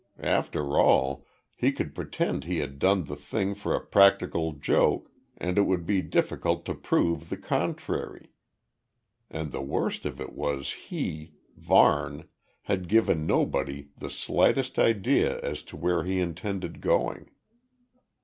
After all, he could pretend he had done the thing for a practical joke, and it would be difficult to prove the contrary. And the worst of it was he Varne had given nobody the slightest idea as to where he intended going.